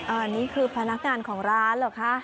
อันนี้คือพนักงานของร้าน